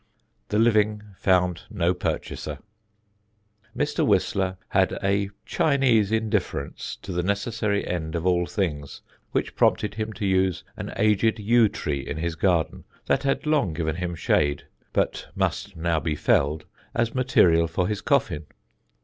The living found no purchaser. Mr. Whistler had a Chinese indifference to the necessary end of all things, which prompted him to use an aged yew tree in his garden, that had long given him shade but must now be felled, as material for his coffin.